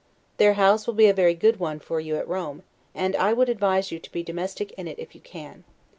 Their house will be a very good one for you at Rome; and I would advise you to be domestic in it if you can.